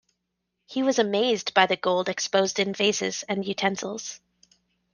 He was amazed by the gold exposed in vases and utensils.